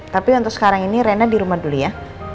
tapi untuk sekarang ini rena dirumah dulu ya